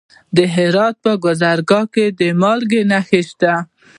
د هرات په ګذره کې د مالګې نښې شته.